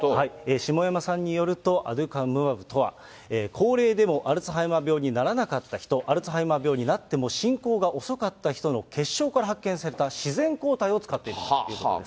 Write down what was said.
下山さんによると、アデュカヌマブとは、高齢でもアルツハイマー病にならなかった人、アルツハイマー病になっても進行が遅かった人の血しょうから発見された自然抗体を使っているということです。